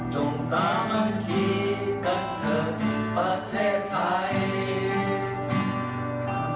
จงสามัคคีกับเธอที่ประเทศไทย